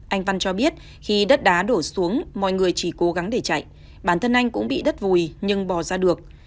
anh văn cho biết khi đất đá đổ xuống mọi người chỉ cố gắng để chạy bản thân anh cũng bị đất vùi nhưng bò ra được